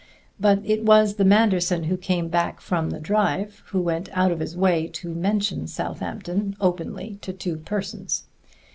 But it was the Manderson who came back from the drive who went out of his way to mention Southampton openly to two persons.